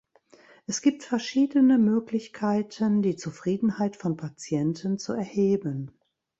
Es gibt verschiedene Möglichkeiten die Zufriedenheit von Patienten zu erheben.